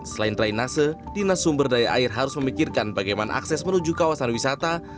selain drainase dinas sumber daya air harus memikirkan bagaimana akses menuju kawasan wisata